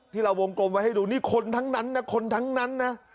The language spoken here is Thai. ที่เราวงกลมไว้ให้ดูนี่คนทั้งนั้นนะคนทั้งนั้นนะ